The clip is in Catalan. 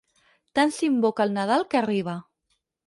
Tant s'invoca el Nadal que arriba.